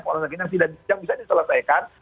kalau lagi yang tidak bisa diselesaikan